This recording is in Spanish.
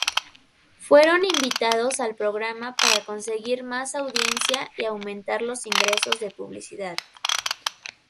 Fueron invitados al programa para conseguir más audiencia y aumentar los ingresos de publicidad.